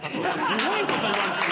すごい事言われてる。